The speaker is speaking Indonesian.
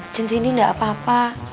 cindy ini enggak apa apa